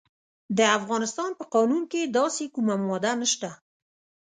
د افغانستان په قانون کې داسې کومه ماده نشته.